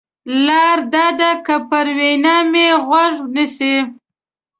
لار دا ده که پر وینا مې غوږ نیسې.